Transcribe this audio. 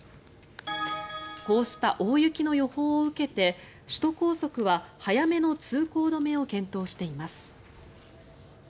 こうした大雪の予報を受けて首都高速は早めの通行止めを検討しています。